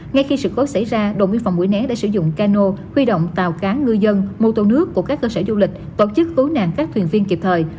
ngay khi sự cố xảy ra đồn biên phòng mũi né đã sử dụng cano huy động tàu cá ngư dân mô tô nước của các cơ sở du lịch tổ chức cứu nạn các thuyền viên kịp thời